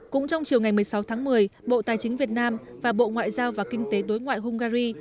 cũng trong chiều ngày một mươi sáu tháng một mươi bộ tài chính việt nam và bộ ngoại giao và kinh tế đối ngoại hungary